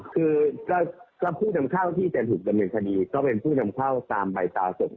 คือก็ผู้นำเข้าที่จะถูกดำเนินคดีก็เป็นผู้นำเข้าตามใบตราส่ง